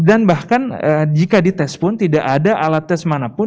dan bahkan jika di tes pun tidak ada alat tes manapun